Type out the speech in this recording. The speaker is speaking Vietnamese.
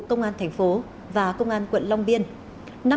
công an thành phố và công an quận long biên